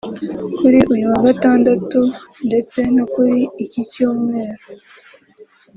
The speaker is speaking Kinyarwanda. Kuri uyu wagatandatu ndetse no kuri iki cyumweru